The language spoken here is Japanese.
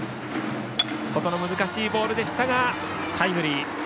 外の難しいボールでしたがタイムリー。